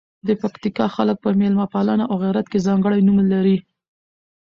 د پکتیکا خلګ په میلمه پالنه او غیرت کې ځانکړي نوم لزي.